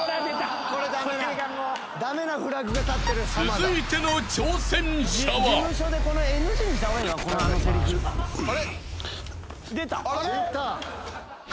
［続いての挑戦者は］